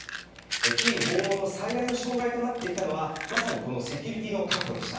キーウ訪問の最大の障害となってきたのはまさにセキュリティーの確保でした。